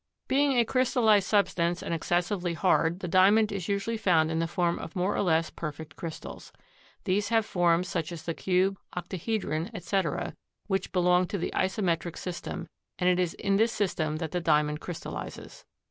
Being a crystallized substance and excessively hard the Diamond is usually found in the form of more or less perfect crystals. These have forms such as the cube, octahedron, etc., which belong to the isometric system, and it is in this system that the Diamond crystallizes.